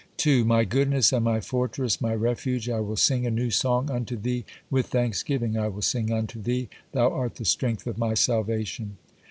2. My goodness and my fortress, my refuge, I will sing a new song unto Thee, with thanksgiving I will sing unto Thee, Thou art the strength of my salvation.